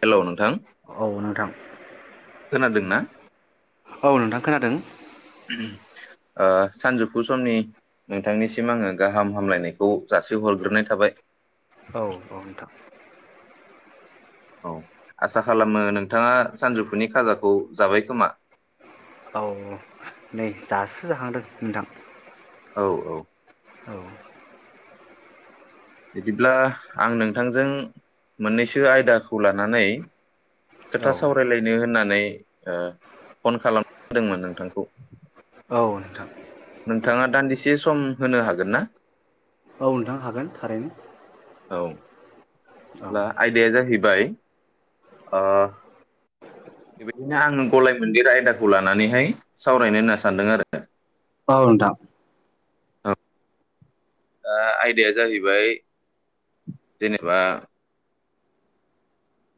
Hello नोंथां औ नोंथां खोनादों ना। औ नोंथां खोनादों। ओ सानजौफु समनि नोंथांनिसिम आङो गाहाम हामलायनायखौ जासिहरग्रोनाय थाबाय। औ औ नोंथां। औ आसा खालामो नोंथाङा सानजौफुनि खाजाखौ जाबाय खोमा। औ नै दासो जाखांदों नोंथां। औ औ। औ। बिदिब्ला आं नोंथांजों मोननैसो आयदाखौ लानानै। औ खोथा सावरायलायनो होननानै। ओ फन खालामदोंमोन नोंथांखौ। औ नोंथां। नोंथाङा दान्दिसे सम होनो हागोन ना। औ नोंथां हागोन थारैनो। औ। औ ब्ला आयदाया जाहै बाय ओ बेबायदिनो आङो गलाय मोनदेर आयदाखौ लानानैहाय सावरायनो होनना सानदों आरो। औ नोंथां। औ दा आयदाया जाहैबाय जेनेबा।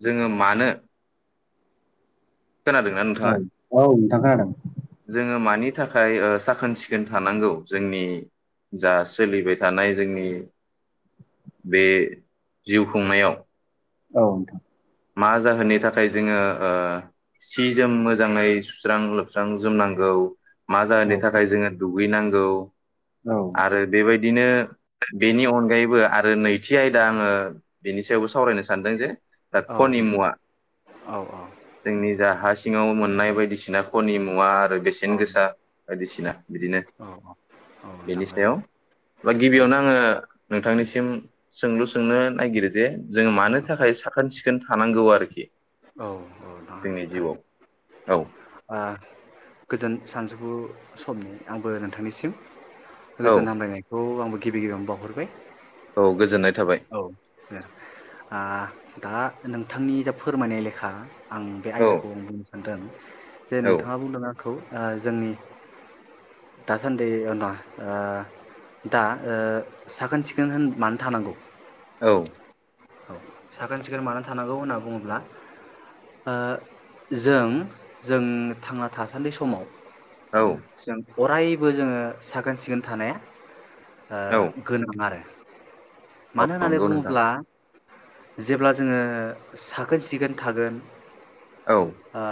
जोङो मानो। खोनादोंना औ नोंथाङा? औ नोंथां खोनादों। जोंओ मानि थाखाय साखोन सिखोन थानांगौ जोंनि जा सोलिबाय थानाय जोंनि बे जिउ खुंनायाव। औ मा जाहोननि थाखाय जोंङो ओ सि जोम मोजाङै सुस्रां लोबस्रां जोमनांगौ मा औ जाहोननि थाखाय जोङो दुगैनांगौ औ आरो बेबायदिनो बेनि अनगायैबो आं आरो नैथि आयदा आङो बेनि सायावबो सावरायनो सानदों जे दा औ कनिमुवा औ नोंथां औ जोंनि जा हासि सिङाव मोननाय बायदिसिना खनि मुवा आरो बेसेन नोंथां गोसा बायदिसिना बिदिनो बेनि सायाव बा गिबियावनो आङो नोंथांनिसिम सोंलु सोंनो नागिरो जे जों मानो थाखाय साखोन सि सिखोन थानांगौ आरोखि औ औ जोंनि जिउआव औ थारैनो औ गोजोन सानजौफु समनि आंबो नोंथांनिसिम औ गोजोन हामलायनायखौ आंबो गिबि गिबियावनो बावहरबाय औ गोजोननाय थाबाय औ आ दा नोंथांनि जा फोरमायनाय लेखा आं बे औ आयदाखौ बुंनो सानदों जे औ नोंथाङा बुंदों आंखौ ओ जोंनि दासान्दि ना दा साखोन सिखोन होन मानो थानांगौ औ औ साखोन सिखोन मानो थानांगौ होनना बुङोब्ला जों जों थांना थासान्दि समाव औ जों अरायबो जोङो साखोन सिखोन थानाया औ ओ गोनां आरो औ मानो होननानै नंगौ नोंथां बुङोब्ला जेब्ला जोङो साखोन सिखोन थागोन औ ओ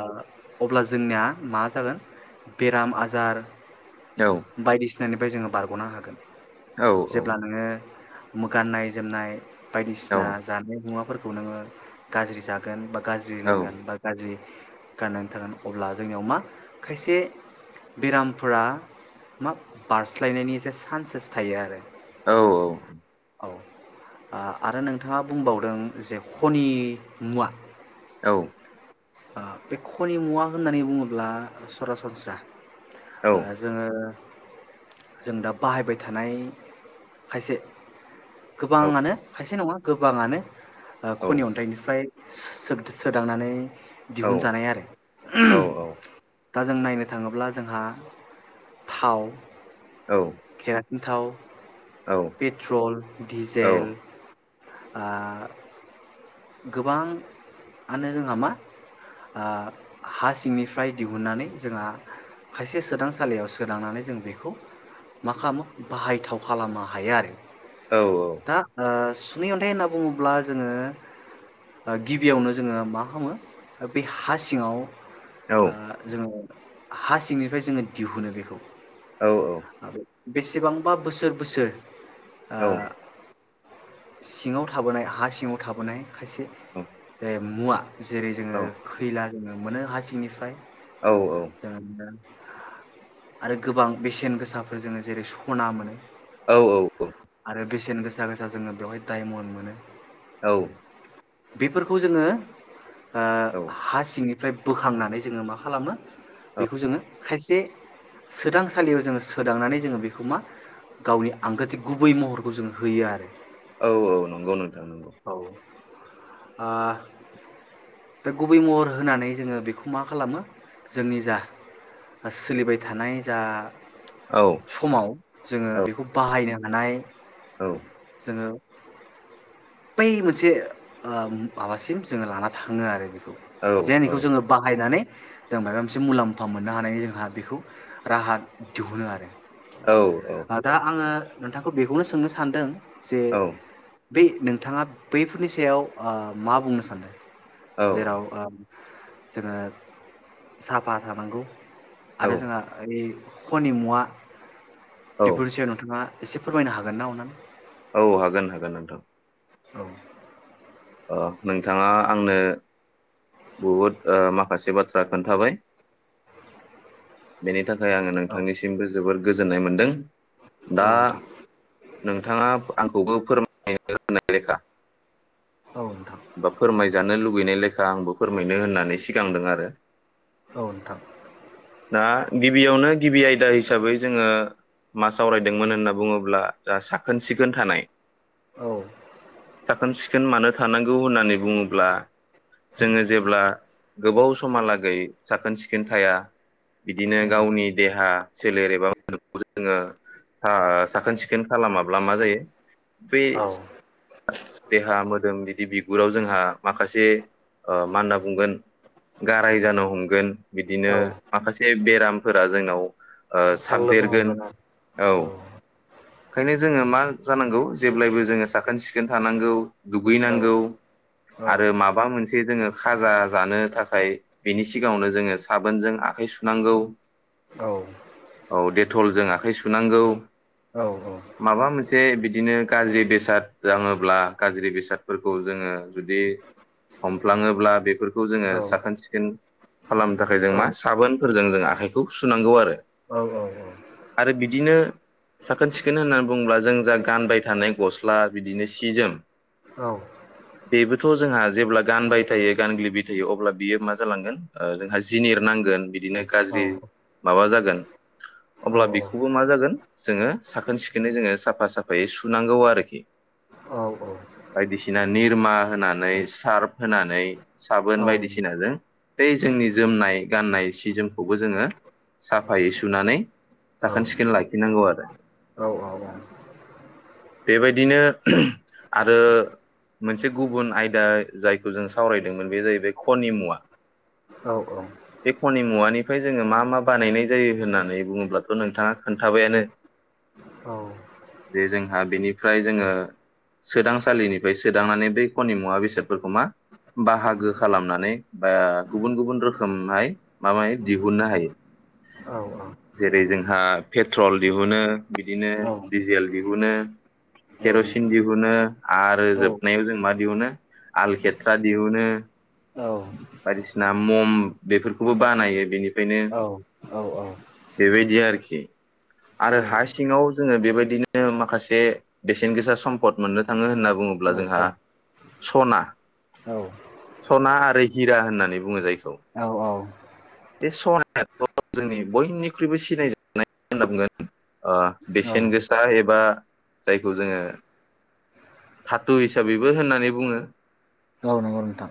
अब्ला जोंनिया मा जागोन बेराम आजार औ बायदिसि सिनायनिफ्राय जोङो बारग'नो हागोन औ जेब्ला नोङो गाननाय जोमनाय औ बायदिसिना जानाय मुवाफोर। खौ नोङो गाज्रि जागोन बा गाज्रि औ लोंगोन बा गाज्रि गाननानै थागोन अब्ला जोंनियाव मा खायसे बेरामफोरा मा बारस्लायनायनि जे सान्सेस थायो आरो औ औ औ आ आरो नोंथाङा बुंबावदों जे खनि मुवा औ आ बे खनिमुवा होननानै बुङोब्ला सरासनस्रा औ ओ जोङो जों दा बाहायबाय थानाय खायसे औ गोबाङानो खायसे नङा गोबाङानो ओ खनि अन्थाइनिफ्राय सो -सो सोदांनानै दिहुनजानाय आरो दा जों नायनो थाङोब्ला जोंहा थाव औ सिन थाव पेट्रल डिजेल आ गोबांआनो जोंहा मा आ हा सिंनिफ्राय दिहुननानै जोंहा खायसे सोदांसालियाव सदांनानै जों बेखौ मा खालामो बाहायथाव खालामनो हायो आरो औ दा ओ सुनै अन्थाइ होनना बुङोब्ला जोङो ओ गिबियावनो जोङो मा खालामो बे हा सिङाव औ ओ जोङो हा सिंनिफ्राय जोङो दिहुनो बेखौ औ औ बेसेबांबा बोसोर बोसोर ओ सिङाव थाबोनाय हा सिङाव थाबोनाय खायसे औ जाय मुवा जेरै औ जोङो खैला जोङो मोनो हा सिंनिफ्राय। [unintelligible] आरो गोबां बेसेन गोसाफोर जोङो जेरै सना मोनो औ औ औ। आरो बेसेन गोसा गोसा जोङो बेवहाय डायमन्ड मोनो। औ। बेफोरखौ जोङो ओ औ हा सिं निफ्राय बोखांनानै जोङो मा खालामो बेखौ जोङो खायसे सोदांसालियाव जोङो सोदांनानै जोङो बेखौ मा गावनि आंगोथि गुबै महरखौ जोङो होयो आरो। औ औ नंगौ नोंथां नंगौ। औ ओ बे गुबै महर होनानै जोङो बेखौ मा खालामो जोंनि जा सोलिबाय थानाय जा औ समाव जोङो औ बेखौ बाहायनो हानाय औ औ। ओ बै मोनसे ओ माबासिम जोङो लाना थाङो आरो औ जेनिखौ जोङो बाहायनानै जों माबा मोनसे मुलाम्फा मोननो हानाय जोंहा बेखौ राहा दिहुनो आरो। ओ दा आङो नोंथांखौ बेखौनो सोंनो सानदों जे बे नोंथाङा बैफोरनि सायाव ओ मा बुंनो सानदों जेराव ओ जोङो साफा थानांगौ औ आरो जोंहा ओइ खनि मुवा औ बेफोरनि सायाव नोंथाङा एसे फोरमायनो हागोन ना अननानै? औ हागोन हागोन नोंथां। औ। ओ नोंथाङा आंनो बहुद माखासे बाथ्रा खोन्थाबाय बेनि थाखाय आङो औ नोंथांनिसिमबो जोबोद गोजोननाय मोन्दों। औ नोंथां। नोंथाङा आंखौबो फोरमाय नाय लेखा औ नोंथां बा फोरमायजानो लुबै लुबैनाय लेखा आंबो फोरमायनो होननानै सिगांदों आरो औ नोंथां। दा गिबियावनो गिबि आयदा हिसाबै जोङो मा सावरायदोंमोन होनना बुङोब्ला जा साखोन सिखोन थानाय। औ साखोन सिखोन मानो थानांगौ होननानै बुङोब्ला जोङो जेब्ला गोबाव समहालागै साखोन सिखोन थाया बिदिनो औ गावनि देहा सोलेर एबा जोङो ओ साखोन सिखोन खालामाब्ला मा जायो बे औ देहा मोदोम बिदि बि बिगुराव जोंहा माखासे ओ मा होनना बुंगोन गाराय जानो हमगोन। औ साग्लोबनो हमगोन आरो औ बिदिनो माखासे बेरामफोरा जोंनाव ओ साबदेरगोन औ। ओंखायनो जोङो मा जानांगौ जेब्लायबो जोङो साखोन सिखोन थानांगौ। दुगैनांगौ आरो माबा मोनसे जोङो खाजा जानो थाखाय बिनि सिगाङावनो जोङो साबोनजों आ आखाइ सुनांगौ। औ देथलजों आखाइ सुनांगौ। माबा मोनसे बिदि बिदिनो गाज्रि बेसाद दाङोब्ला गाज्रि बेसाद फोरखौ जोङो जुदि हमफ्लाङोब्ला बेफोर खौ जोङो साखोन सिखोन खालामनो थाखाय जों मा फोरजों जों आखाइखौ सुनांगौ आरो। आरो बिदिनो साखोन सिखोन होननानै बुंङोब्ला जों जा गानबाय थानाय गस्ला बिदिनो सि जोम औ थ' जोंहा जेब्ला गानबाय थायो गानग्लिबाय थायो अब्ला बियो मा जालांगोन ओ जोंहा जिनिर नांगोन गोन बिदिनो गाज्रि माबा जागोन गोन। अब्ला बेखौबो मा जागोन जोङो साखोन सिखोनै जोङो साफा साफायै सुनांगौ आरोखि। बायदिसिना नि बोमा होनानै सार्फ होनानै साबोन बायदिसिनाजों बे जोंनि जोमनाय गाननाय सि जोमखौबो जोङो साफायै सुनानै साखोन सिखोन लाखिनांगौ आरो बेबायदिनो ओम आरो मोनसे गुबुन आयदा जायखौ जों सावरायदोंमोन बे जाहैबाय खनि मुवा औ औ बे खनिमुवानिफ्राय जोङो मा मा बानायनाय जायो होननानै बुङोब्लाथ' नोंथाङा खोन्थाबायानो जे जोंहा बेनिफ्राय जोङो सोदांसालिनिफ्राय सोदांनानै बै खनि मुवा बेसादफोरखौ मा बाहागो खालामनानै बा गुबुन गुबुन रोखोम रोखोमहाय माबाय दिहुननो हायो औ जेरै जोंहा पेट्रल दिहुनो बिदिनो दिजेल दिहुनो केर'सिन दिहुनो आरो जोबनायाव जों मा दिहुनो आल खेथ्रा दिहुनो बायदिसिना मम बेफोरखौबो बानायो बेनिफ्राय बेनो बेबायदि आरोखि आरो हा सिङाव जोङो बेबायदिनो माखासे बेसेन गोसा सम्पद मोननो थाङो होनना बुङोब्ला जोंहा सना सना आरो हिरा होननानै बुङो जायखौ बे सनायाथ' जोंनि बयनिख्रुइबो सिनायजानायगोन ओ बेसेन गोसा एब बा जायखौ जोङो धाथु हिसाबैबो होननानै बुङो गावनो गाव नोंथां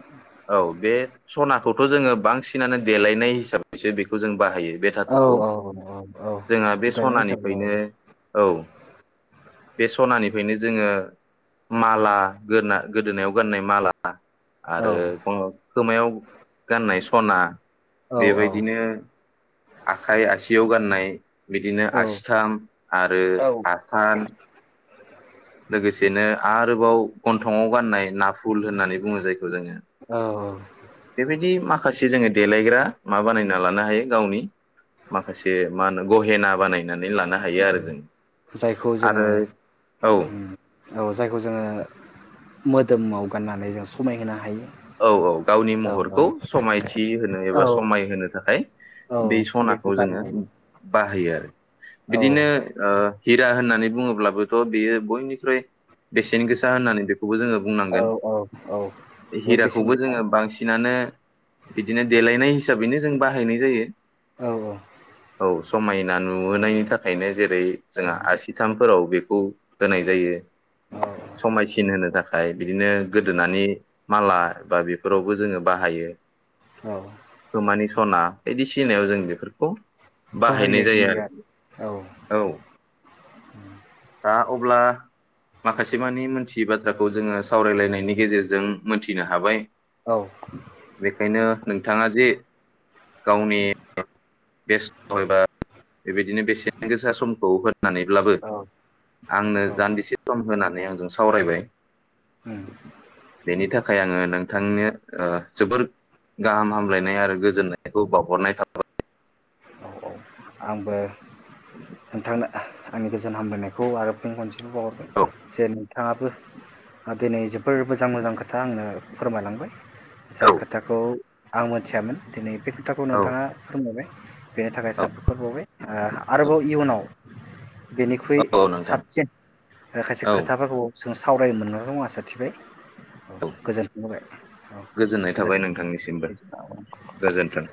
औ बे सनाखौथ' जोङो बांसिन बांसिनानो देलायनाय हिसाबैसो बेखौ जों बाहायो बे औ धाथुखौ औ औ औ जोंहा बे देरनाय हिसाबै सनानिफ्रायनो औ बे सनानिफ्रायनो जोङो माला गोदना गोदोनायाव गाननाय माला औ आरो ग खोमायाव गाननाय स सना औ बेबायदिनो औ आखाइ आसियाव गाननाय बिदिनो आसिथाम आरो औ आसान लोगोसेनो आरोबाव गन्थंङाव गाननाय नाफुल होननानै बुङो जायखौ जोङो औ बेबायदि माखासे माखासे जोङो देलायग्रा मा बानायना लानो हायो गावनि माखासे मा होनो गहेना बानायनानै लानो हायो आरो औ जों जायखौ जोङो आरो औ उम औ जायखौ जोङो मोदोमाव गाननानै जों समायहोनो हायो औ औ गावनि औ महरखौ समायथि होनो औ एबा समायहोनो थाखाय औ बे बेखौ सनाखौ गानो जोङो बाहायो आरो औ बिदिनो ओ हिरा होननानै बुङोब्लाबोथ' बेयो बयनिख्रुइ बेसेन गोसा होननानै बेखौबो जोङो औ बुंनांगोन औ औ जोबोद बेसेन हिराखौबो गोसा जोङो बांसिनानो बिदिनो देलायनाय हिसाबैनो जों बाहायनाय जायो औ औ समायना नुहोनायनि थाखायनो जेरै औ जोंहा आसिथामफोराव बेखौ होनाय जायो औ समायसिन होनो थाखाय बिदिनो गोदोनानै माला बा बेफोरावबो जोङो बाहायो औ खोमानि सना बायदिसिनायाव जों बेफोरखौ बाहायनाय जायो नुयो आरोखि आरो औ दा अब्ला माखासेमानि मोनथियै बाथ्राखौ जोङो सावरायलायनायनि गेजेरजों मोनथिनो हाबाय औ बेखायनो नोंथाङा जे गावनि बेस्थ' एबा बेबायदिनो बेसेन गोसा समखौ होनानैब्लाबो औ आंनो औ जान्दिसे सम होनानै आंजों सावरायबाय उम बेनि थाखाय आङो नोंथांनो जोबोर गाहाम हामलायनाय आरो गोजोननायखौ बावहरनाय थाबाय औ औ आंबो नोंथांनो आंनि गोजोन हामलायनायखौ आरो फंन बे बावहरबाय औ जे नोंथाङाबो आ दिनै जोबोर मोजां मोजां खोथा आंनो फोरमायलांबाय। औ जाय खोथाखौ आं मोन मिथियामोन दिनै बे खोथाखौ औ नोंथाङा फोरमायबाय। बेनि थाखाय औ साब खर बावबाय आरोबाव इयुनाव बेनिख्रुइ औ औ नोंथां साबसिन खायसे औ खोथाफोरखौ जों सावरायनो मोननानै दं आसा थिबाय औ गोजोनथों होबाय औ गोजोननाय थाबाय नोंथांनिसिमबो। गोजोनथों गोजोन्थों।